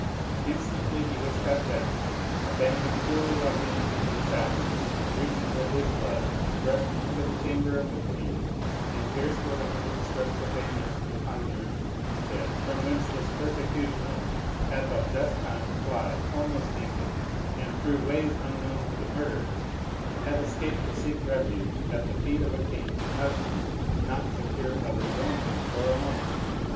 Instantly he was cut down. A band of cruel ruffians and assassins, reeking with his blood, rushed into the chamber of the queen, and pierced with a hundred strokes of bayonets and poniards the bed, from whence this persecuted woman had but just time to fly almost naked, and, through ways unknown to the murderers, had escaped to seek refuge at the feet of a king and husband not secure of his own life for a moment.